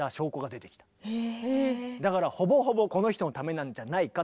だからほぼほぼこの人のためなんじゃないかと。